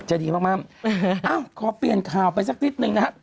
ดีมากขอเปลี่ยนข่าวไปสักนิดนึงนะครับ